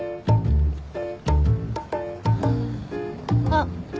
あっ。